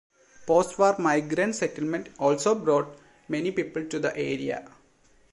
Post-war migrant settlement also brought many people to the area.